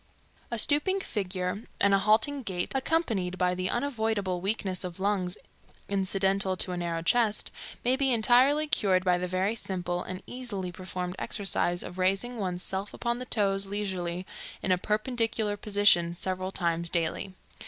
A stooping figure and a halting gait, accompanied by the unavoidable weakness of lungs incidental to a narrow chest, may be entirely cured by the very simple and easily performed exercise of raising one's self upon the toes leisurely in a perpendicular position several times daily.